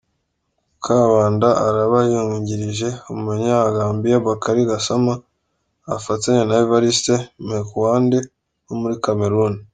Kabanda araba yungirije Umunyagambia Bakary Gassama afatanye na Evarist Menkouande wo muri Cameroun.